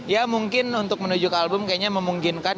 ya mungkin untuk menunjuk album kayaknya memungkinkan